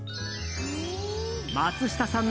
松下さん